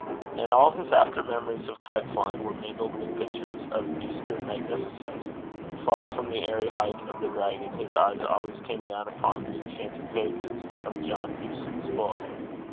And all his after memories of kite flying were mingled with pictures of eastern magnificence, for from the airy height of the dragon his eyes always came down upon the enchanted pages of John Hewson's book.